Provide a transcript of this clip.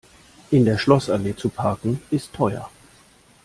In der Schlossallee zu parken, ist teuer.